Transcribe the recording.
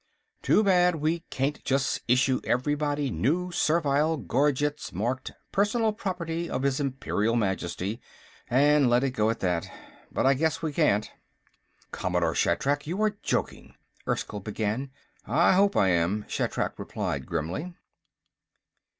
"Too bad we can't just issue everybody new servile gorgets marked, Personal Property of his Imperial Majesty and let it go at that. But I guess we can't." "Commodore Shatrak, you are joking," Erskyll began. "I hope I am," Shatrak replied grimly.